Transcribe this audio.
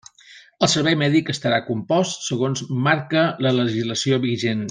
El servei mèdic estarà compost segons marque la legislació vigent.